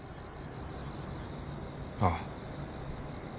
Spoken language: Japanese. ああ。